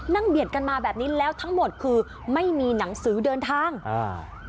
เบียดกันมาแบบนี้แล้วทั้งหมดคือไม่มีหนังสือเดินทางอ่า